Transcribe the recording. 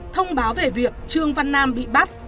thông báo về việc trương văn nam bị bắt